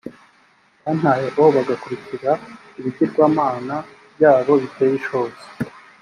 bantaye o bagakurikira ibigirwamana byabo biteye ishozi